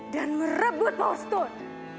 dan merebut power stone